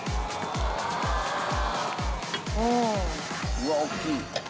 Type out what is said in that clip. うわあ大きい！